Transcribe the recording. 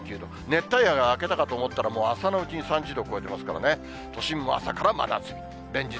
熱帯夜が明けたかと思ったら、もう朝のうちに３０度を超えてますからね、都心も朝から真夏日。